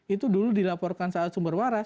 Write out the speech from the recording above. itu dulu dilaporkan saat sumber waras